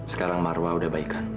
sekarang marwa udah baikan